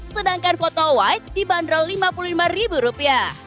sedangkan photo white dibanderol rp lima puluh lima